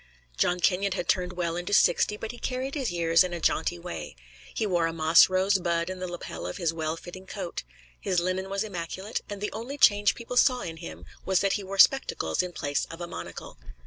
John Kenyon had turned well into sixty, but he carried his years in a jaunty way. He wore a moss rose bud in the lapel of his well fitting coat. His linen was immaculate, and the only change people saw in him was that he wore spectacles in place of a monocle.